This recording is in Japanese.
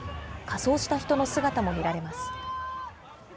仮装した人の姿も見られます。